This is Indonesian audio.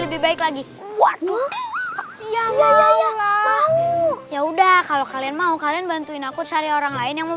lebih baik lagi kuat ya lah ya udah kalau kalian mau kalian bantuin aku cari orang lain yang mau